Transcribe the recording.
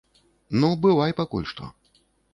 Ну, бывай пакуль што.